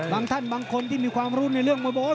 ท่านบางคนที่มีความรู้ในเรื่องมวยโบ๊ท